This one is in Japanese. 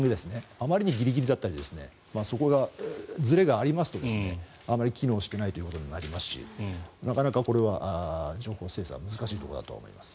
あまりにギリギリだったりそこが、ずれがありますとあまり機能していないということになりますしなかなかこれは情報の精査が難しいところだと思います。